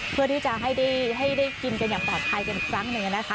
เพื่อที่จะให้ได้กินกันอย่างปลอดภัยกันอีกครั้งหนึ่งนะคะ